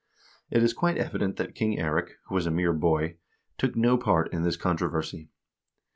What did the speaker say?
It is quite evident that King Eirik, who was a mere boy, took no part in this controversy.